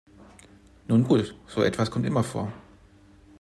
Nun gut, so etwas kommt immer vor.